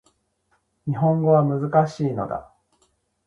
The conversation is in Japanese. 日本語は難しいのだ